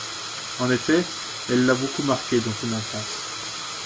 En effet, elle l'a beaucoup marqué dans son enfance.